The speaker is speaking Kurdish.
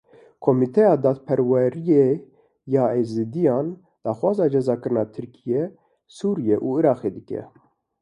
Komîteya Dadperweriyê ya Êzidiyan daxwaza cezakirina Tirkiye, Sûriye û Iraqê dike.